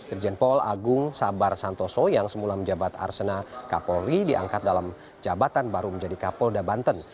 irjen paul agung sabar santoso yang semula menjabat arsena kapolri diangkat dalam jabatan baru menjadi kapolda banten